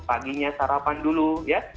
paginya sarapan dulu ya